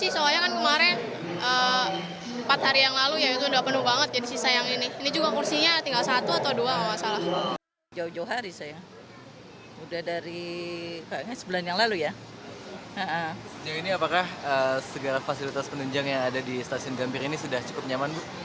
ini apakah segala fasilitas penunjang yang ada di stasiun gambir ini sudah cukup nyaman bu